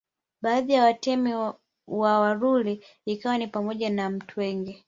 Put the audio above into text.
Baadhi ya Watemi wa Waruri ikiwa ni pamoja na Mtwenge